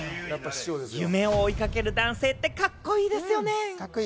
夢を追いかける男性ってカッコいいですよね。